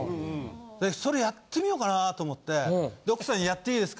それやってみようかなと思って奥さんにやっていいですか？